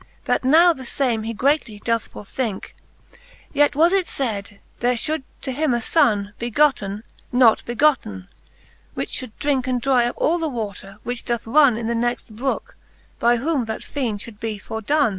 That now the fame he greatly doth forthinke. Yet was it fayd, there fhould to him a fonne Be gotten^ not begotten^ which fhould drinke And dry up all the water, which doth ronne In the next brooke, by whom that feend fhould be fordonne.